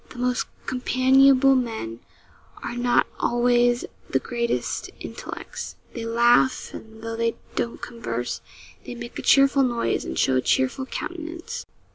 The most companionable men are not always the greatest intellects. They laugh, and though they don't converse, they make a cheerful noise, and show a cheerful countenance.